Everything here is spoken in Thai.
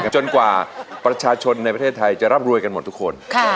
จนกว่าประชาชนในประเทศไทยจะร่ำรวยกันหมดทุกคน